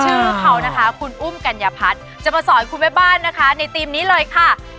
ชื่อเขานะคะคุณอุ้มกัญญพัฒน์จะมาสอนคุณแม่บ้านนะคะในทีมนี้เลยค่ะ